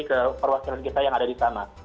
ke perwakilan kita yang ada di sana